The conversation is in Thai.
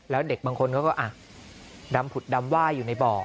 แล้วเด็กบางคนเขาก็ดำผุดดำไหว้อยู่ในบ่อ